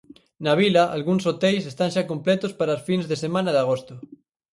Na vila algúns hoteis están xa completos para as fins de semana de agosto.